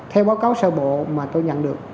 theo báo cáo sơ bộ mà tôi nhận được